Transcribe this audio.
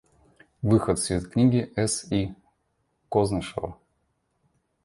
Выход в свет книги С. И. Кознышева.